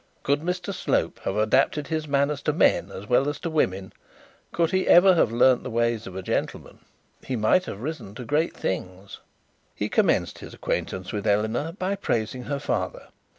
Could Mr Slope have adapted his manners to men as well as to women, could he ever have learnt the ways of a gentleman, he might have risen to great things. He commenced his acquaintance with Eleanor by praising her father.